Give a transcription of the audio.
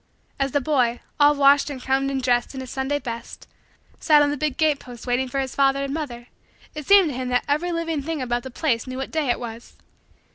As the boy, all washed and combed and dressed in his Sunday best, sat on the big gate post waiting for his father and mother, it seemed to him that every living thing about the place knew what day it was.